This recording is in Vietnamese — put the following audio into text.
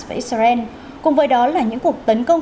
và israel cùng với đó là những cuộc tấn công